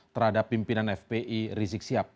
terhadap pimpinan fpi rizik sihab